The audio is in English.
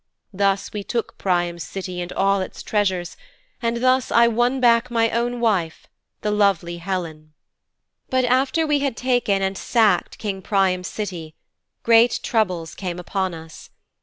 Thus we took Priam's City and all its treasures, and thus I won back my own wife, the lovely Helen.' 'But after we had taken and sacked King Priam's City, great troubles came upon us.